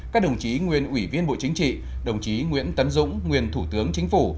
các đồng chí nguyên ủy viên bộ chính trị đồng chí nguyễn tấn dũng nguyên thủ tướng chính phủ